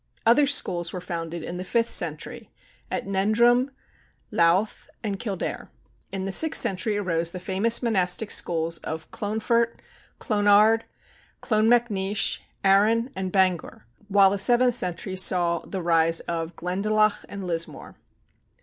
Other schools were founded in the fifth century, at Noendrum, Louth, and Kildare. In the sixth century arose the famous monastic schools of Clonfert, Clonard, Clonmacnois, Arran, and Bangor; while the seventh century saw the rise of Glendalough and Lismore.